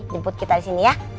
jemput kita disini ya